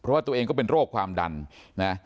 เพราะว่าตัวเองก็เป็นโรคความดันนะ